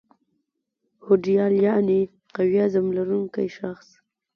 هوډیال یعني قوي عظم لرونکی شخص